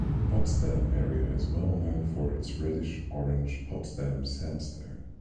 The Potsdam area is well known for its reddish-orange Potsdam sandstone.